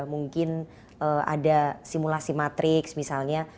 mungkin ada simulasi matrix misalnya